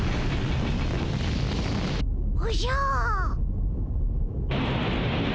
おじゃ。